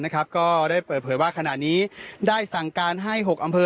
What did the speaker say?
นะครับก็ได้เปิดเผยว่าขนาดนี้ได้สั่งการให้หกอำเผอ